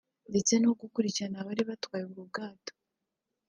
ndetse no gukurikirana abari batwaye ubwo bwato